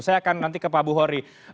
saya akan nanti ke pak buhori